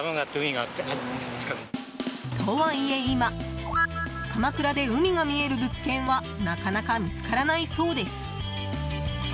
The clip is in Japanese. とはいえ今、鎌倉で海が見える物件はなかなか見つからないそうです。